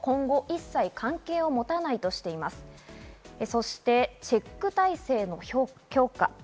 そしてチェック体制の強化。